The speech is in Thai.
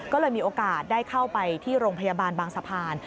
ก็เลยมีโอกาสได้เข้าไปที่โรงพยาบาลบางสะพาน